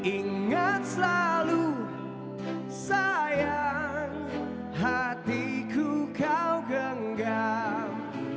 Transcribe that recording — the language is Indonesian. ingat selalu sayang hatiku kau genggam